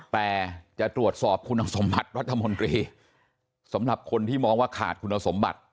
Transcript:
แต่จะตรวจสอบคุณสมบัติรัฐมนตรีสำหรับคนที่มองว่าขาดคุณสมบัติ